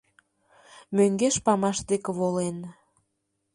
Мӧҥгеш памаш деке волен